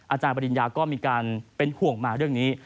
อาจารย์ปริญญาก็มีการเป็นห่วงมาเรื่องนี้